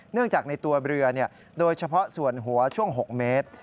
เนื่องจากในตัวเรือโดยเฉพาะส่วนหัวช่วง๖เมตร